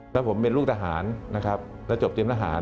และผมเป็นลูกทหารนะครับและจบเจ็บทหาร